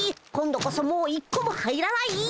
今度こそもう１個も入らない！